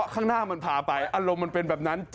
ข้างหน้ามันพาไปอารมณ์มันเป็นแบบนั้น